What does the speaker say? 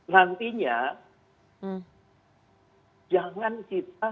nantinya jangan kita kemudian